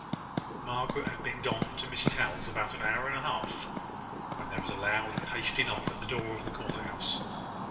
Margaret had been gone to Mrs Howell's about an hour and a half, when there was a loud and hasty knock at the door of the corner house.